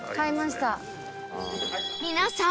皆さん！